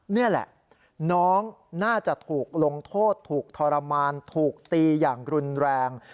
นี่แหละน้องน่าจะถูกลงโทษถูกทรมานถูกตีอย่างรุนแรง